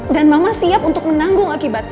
dan mama siap untuk menanggung akibatnya